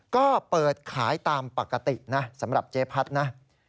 ก็เปิดขายตามปกตินะสำหรับเจ๊พัดนะ